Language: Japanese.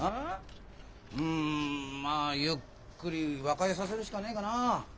うんまあゆっくり和解させるしかねえかなあ。